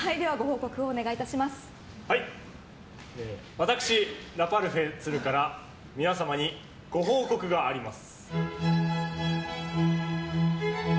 私、ラパルフェ都留から皆様にご報告があります。